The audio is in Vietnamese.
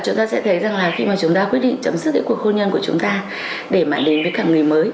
chúng ta sẽ thấy rằng là khi mà chúng ta quyết định chấm dứt cái cuộc hôn nhân của chúng ta để mà đến với cả người mới